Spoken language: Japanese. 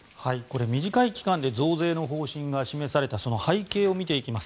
短い期間で増税の方針が示されたその背景を見ていきます。